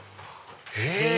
へぇ！